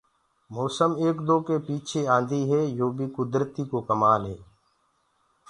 موسم ايڪآ دوڪي پ ميٚڇي آندآ هينٚ يو بي ڪُدرتي ڪو ڪمآل هي۔